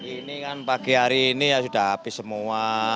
ini kan pagi hari ini ya sudah habis semua